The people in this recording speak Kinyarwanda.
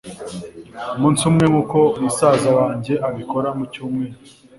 umunsi umwe nkuko musaza wanjye abikora mucyumweru